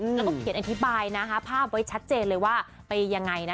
แล้วก็เขียนอธิบายนะคะภาพไว้ชัดเจนเลยว่าไปยังไงนะ